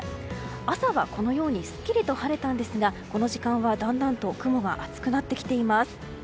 朝は、このようにすっきりと晴れたんですがこの時間はだんだんと雲が厚くなってきています。